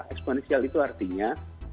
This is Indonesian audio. eksponensial itu artinya